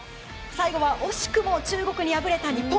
最後は惜しくも中国に敗れた日本。